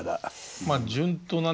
まあ順当なね